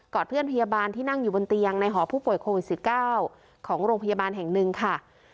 อดเพื่อนพยาบาลที่นั่งอยู่บนเตียงในหอผู้ป่วยโควิด๑๙ของโรงพยาบาลแห่งหนึ่งค่ะ